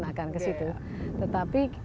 tetapi kita sedang meremajikan